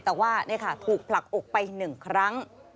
แต่ว่าเนี่ยค่ะถูกผลักอกไปหนึ่งครั้ง